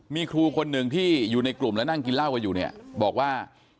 มีครูคนหนึ่งที่อยู่ในกลุ่มและนั่งกินเหล้ากันอยู่เนี่ยบอกว่า